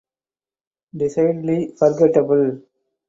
Decidedly forgettable.